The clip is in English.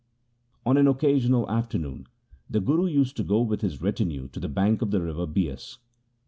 On an occasional afternoon the Guru used to go with his retinue to the bank of the river Bias.